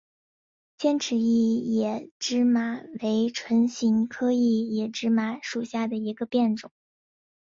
尖齿异野芝麻为唇形科异野芝麻属下的一个变种。